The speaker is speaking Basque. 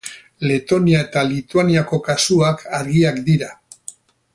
Letonia eta Lituaniako kasuak argiak dira.